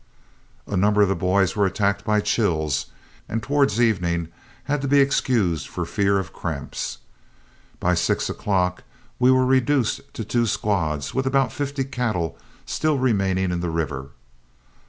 A number of the boys were attacked by chills, and towards evening had to be excused for fear of cramps. By six o'clock we were reduced to two squads, with about fifty cattle still remaining in the river.